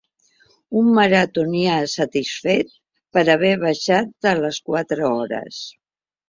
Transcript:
Un maratonià satisfet per haver baixat de les quatre hores.